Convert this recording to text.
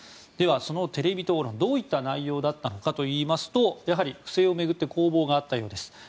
では、そのテレビ討論どういった内容だったのかというとやはり不正を巡って攻防があったようです。